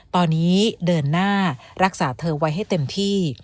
ตอนนี้เดินหน้ารักษาเธอไว้ให้เต็มที่